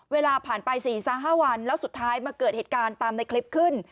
เวลาผ่านไป๔๕วันแล้วสุดท้ายมาเกิดเหตุการณ์ตามในคลิปขึ้น